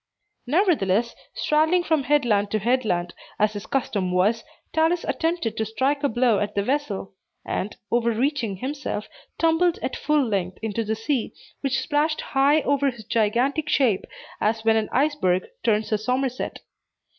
Nevertheless, straddling from headland to headland, as his custom was, Talus attempted to strike a blow at the vessel, and, overreaching himself, tumbled at full length into the sea, which splashed high over his gigantic shape, as when an iceberg turns a somerset.